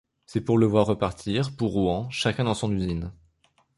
C'est pour le voir repartir, pour Rouen, chacun dans son usine.